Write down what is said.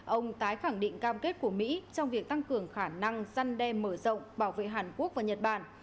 ông tái khẳng định cam kết của mỹ trong việc tăng cường khả năng săn đe mở rộng bảo vệ hàn quốc và nhật bản